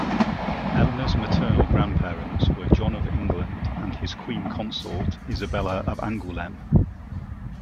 Eleanor's maternal grandparents were John of England and his queen consort Isabella of Angoulême.